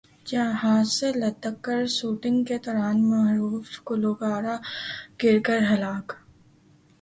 جہاز سے لٹک کر شوٹنگ کے دوران معروف گلوکار گر کر ہلاک